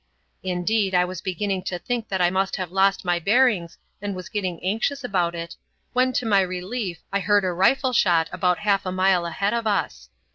Indeed, I was beginning to think that I must have lost my bearings and was getting anxious about it, when to my relief I heard a rifle shot about half a mile ahead of us.